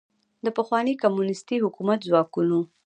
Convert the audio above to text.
د پخواني کمونیستي حکومت ځواکونو